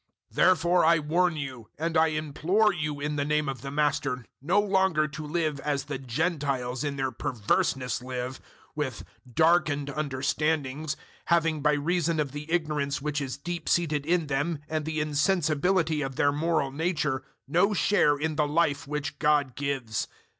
004:017 Therefore I warn you, and I implore you in the name of the Master, no longer to live as the Gentiles in their perverseness live, 004:018 with darkened understandings, having by reason of the ignorance which is deep seated in them and the insensibility of their moral nature, no share in the Life which God gives.